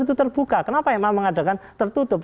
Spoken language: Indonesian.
itu terbuka kenapa memang mengadakan tertutup